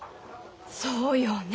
そうよね